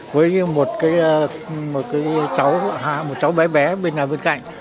với một cái cháu bé bé bên nhà bên cạnh